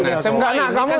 ini semua pdi perjuangan